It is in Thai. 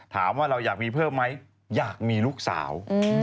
ถามว่าเราอยากมีเพิ่มไหมอยากมีลูกสาว